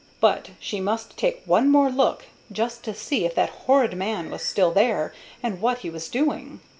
But she must take one more look, just to see if that horrid man was still there, and what he was doing.